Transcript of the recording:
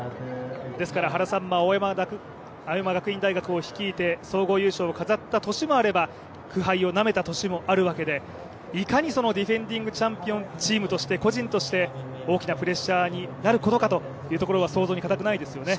原監督、青山学院大学を率いて総合優勝を飾った年もあれば苦杯をなめた年もあったわけで、いかにディフェンディングチャンピオンチームとして個人として、大きなプレッシャーになることかというのは想像に難くないですよね。